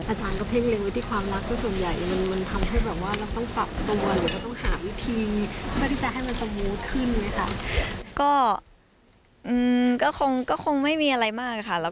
อาจารย์ก็เพ่งเล็งไว้ที่ความรักเจ้าส่วนใหญ่